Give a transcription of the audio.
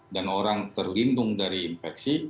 dan orang terlindung dari infeksi